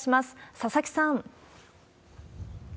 佐々木さん。